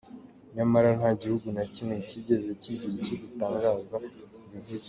Nyamara nta gihugu na kimwe kigeze kigira icyo gitangaza ku bikivugwaho.